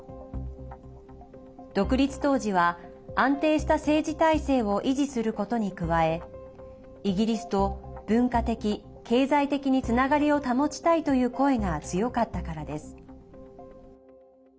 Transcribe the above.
独立当時は、安定した政治体制を維持することに加えイギリスと文化的、経済的につながりを保ちたいという声が強かったからです。